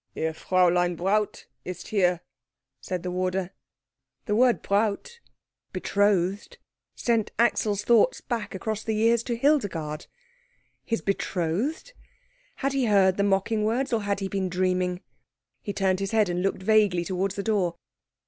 "Ihr Fräulein Braut ist hier," said the warder. The word Braut, betrothed, sent Axel's thoughts back across the years to Hildegard. His betrothed? Had he heard the mocking words, or had he been dreaming? He turned his head and looked vaguely towards the door.